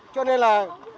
cho nên là